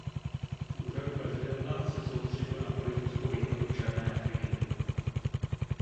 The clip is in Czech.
V úřadu prezidenta se soustředil na politickou jednotu černé Afriky.